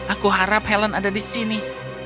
aku harap helen ada di sini